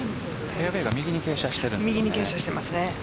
フェアウエーは右に傾斜しています。